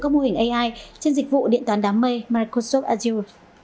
các mô hình ai trên dịch vụ điện toán đám mây microsoft azure